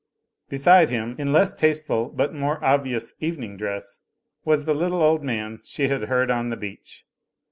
Beside him, in less tasteful but more obvious evening dress, was the little old man she had heard on the beach.